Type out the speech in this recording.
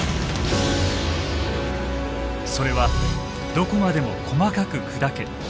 それはどこまでも細かく砕け。